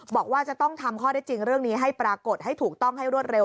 บอกว่าจะต้องทำข้อได้จริงเรื่องนี้ให้ปรากฏให้ถูกต้องให้รวดเร็